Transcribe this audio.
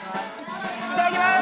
いただきます！